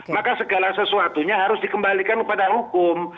maka segala sesuatunya harus dikembalikan kepada hukum